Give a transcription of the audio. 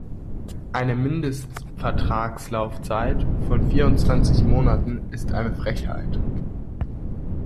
Eine Mindestvertragslaufzeit von vierundzwanzig Monaten ist eine Frechheit.